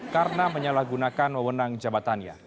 karena menyalahgunakan wawonan jabatannya